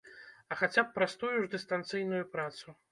А хаця б праз тую ж дыстанцыйную працу!